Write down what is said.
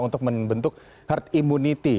untuk membentuk herd immunity